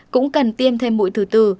cũng cần tiêm thêm mũi thứ tư